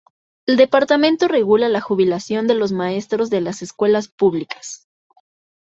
El departamento regula la jubilación de los maestros de las escuelas públicas.